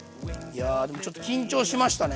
いやでもちょっと緊張しましたね。